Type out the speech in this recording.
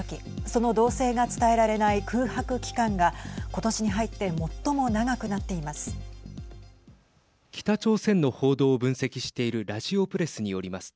その動静が伝えられない空白期間が今年に入って最も長くなっています。